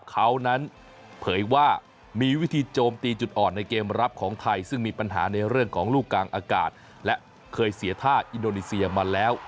เขานั้นเผยว่ามีวิธีโจมตีจุดอ่อนในเกมรับของไทยซึ่งมีปัญหาในเรื่องของลูกกลางอากาศและเคยเสียท่าอินโดนีเซียมาแล้ว